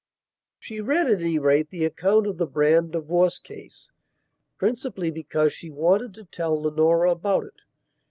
She read, at any rate, the account of the Brand divorce caseprincipally because she wanted to tell Leonora about it.